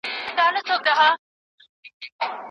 که ښوونیز مواد ساده وي، زده کړه سخته نه ښکاري.